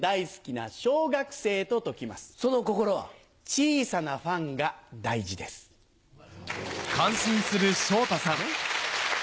小さなファンが大事です。ね？